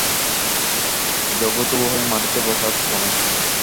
জবুথবু হয়ে মাটিতে বসে আছো তুমি?